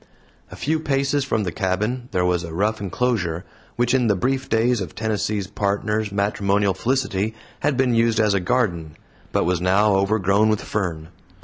A few paces from the cabin there was a rough enclosure, which in the brief days of Tennessee's Partner's matrimonial felicity had been used as a garden, but was now overgrown with fern.